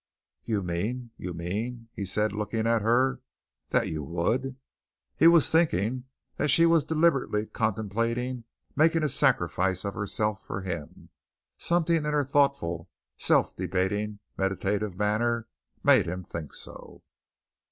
"You mean, you mean," he said, looking at her, "that you would." He was thinking that she was deliberately contemplating making a sacrifice of herself for him. Something in her thoughtful, self debating, meditative manner made him think so.